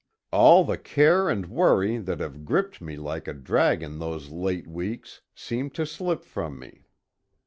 All the care and worry, that have gripped me like a dragon those late weeks, seemed to slip from me.